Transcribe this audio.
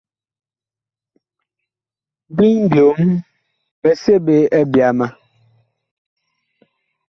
Biŋ byom bi seɓe byama.